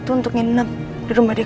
untuk tinggal di rumah aku